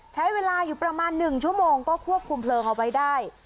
ใช้เวลาอยู่ประมาณ๑ชั่วโมงก็ควบคุมเพลิงเอาไว้ได้